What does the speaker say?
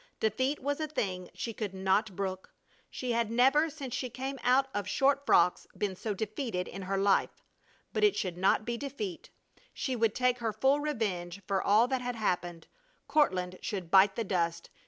Defeat was a thing she could not brook. She had never, since she came out of short frocks, been so defeated in her life! But it should not be defeat! She would take her full revenge for all that had happened! Courtland should bite the dust!